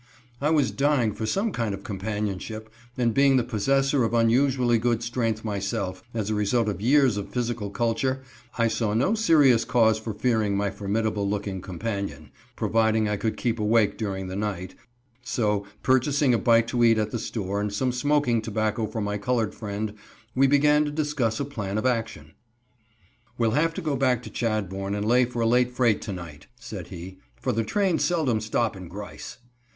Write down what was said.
I was dying for some kind of companionship, and being the possessor of unusually good strength myself, as a result of years of physical culture, I saw no serious cause for fearing my formidable looking companion, providing I could keep awake during the night, so, purchasing a bite to eat at the store and some smoking tobacco for my colored friend, we began to discuss a plan of action. "We'll have to go back to Chadbourn and lay for a late freight to night," said he, "for the trains seldom stop in Grice."